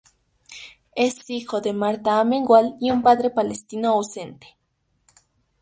Es hijo de Marta Amengual y un padre palestino ausente.